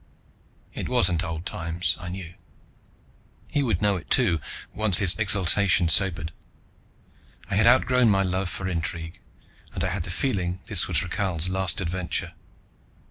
It wasn't old times, I knew. He would know it too, once his exultation sobered. I had outgrown my love for intrigue, and I had the feeling this was Rakhal's last adventure.